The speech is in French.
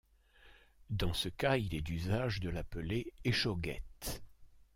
Dans ce cas il est d'usage de l'appeler échauguette.